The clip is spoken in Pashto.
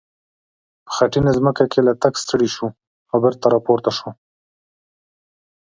په خټینه ځمکه کې له تګه ستړی شو او بېرته را پورته شو.